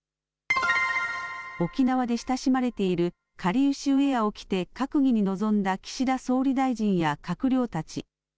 沖縄で親しまれているかりゆしウエアを着て閣議に臨んだ岸田総理大臣や閣僚たち。